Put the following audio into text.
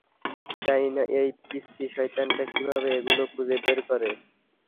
জানি না এই পিচ্চি শয়তানটা কীভাবে এগুলো খুঁজে বের করে।